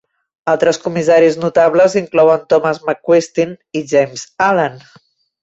Altres comissaris notables inclouen Thomas McQuesten i James Allan.